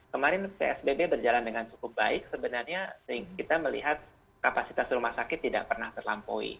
kemarin psbb berjalan dengan cukup baik sebenarnya kita melihat kapasitas rumah sakit tidak pernah terlampaui